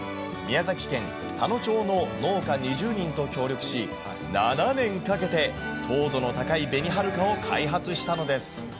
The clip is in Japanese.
宮崎県たの町の農家２０人と協力し、７年かけて、糖度の高い紅はるかを開発したのです。